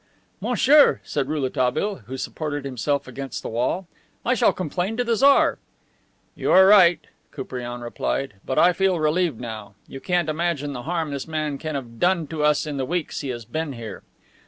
"Monsieur," said Rouletabille, who supported himself against the wall. "I shall complain to the Tsar." "You are right," Koupriane replied, "but I feel relieved now. You can't imagine the harm this man can have done to us in the weeks he has been here."